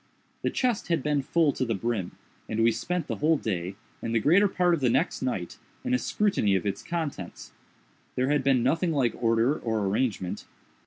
The chest had been full to the brim, and we spent the whole day, and the greater part of the next night, in a scrutiny of its contents. There had been nothing like order or arrangement.